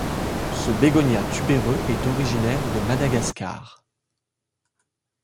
Ce bégonia tubéreux est originaire de Madagascar.